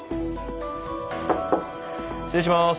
失礼します。